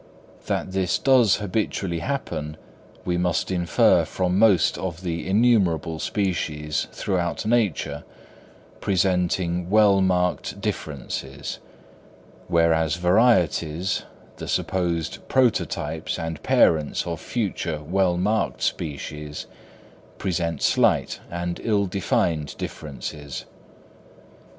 That this does habitually happen, we must infer from most of the innumerable species throughout nature presenting well marked differences; whereas varieties, the supposed prototypes and parents of future well marked species, present slight and ill defined differences.